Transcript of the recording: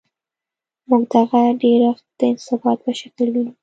موږ دغه ډیرښت د انبساط په شکل وینو.